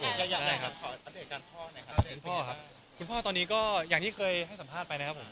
คุณพ่อครับคุณพ่อตอนนี้ก็อย่างที่เคยให้สัมภาษณ์ไปนะครับผม